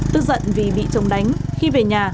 tức giận vì bị chống đánh khi về nhà